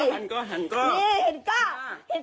หันก้อหันก้อหันก้อ